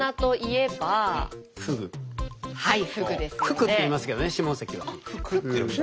「ふく」って言いますけどね下関は。